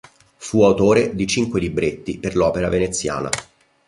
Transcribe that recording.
Fu autore di cinque libretti per l'opera veneziana.